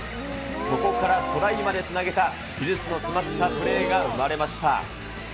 そこからトライまでつなげた、技術の詰まったプレーが生まれました。